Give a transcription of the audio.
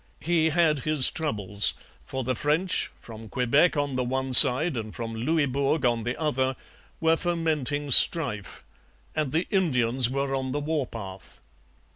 He had his troubles; for the French, from Quebec on the one side and from Louisbourg on the other, were fomenting strife; and the Indians were on the war path.